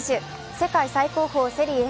世界最高峰セリエ